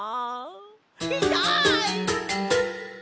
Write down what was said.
いたい！